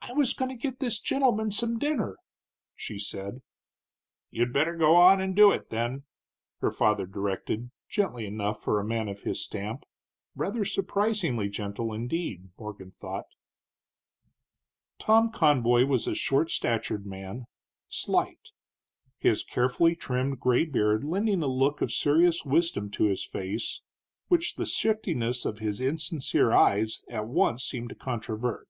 "I was goin' to get this gentleman some dinner," she said. "You'd better go on and do it, then," her father directed, gently enough for a man of his stamp, rather surprisingly gentle, indeed, Morgan thought. Tom Conboy was a short statured man, slight; his carefully trimmed gray beard lending a look of serious wisdom to his face which the shiftiness of his insincere eyes at once seemed to controvert.